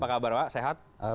apa kabar pak sehat